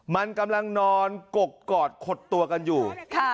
มันกำลังนอนกกอดขดตัวกันอยู่